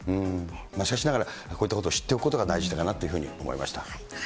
しかしながら、こういったことを知っておくことが大事かなというふうに思いました。